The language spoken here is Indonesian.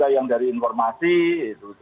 yang dari informasi itu